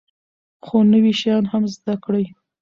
خو نوي شیان هم زده کړئ.